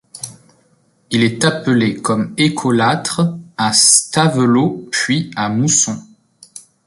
Il est appelé comme écolâtre à Stavelot puis à Mousson.